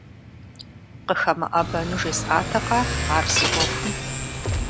КъыхэмыӀэбэну жесӀатэкъэ ар си Ӏуэхум?